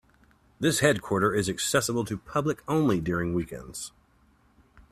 This headquarter is accessible to public only during weekends.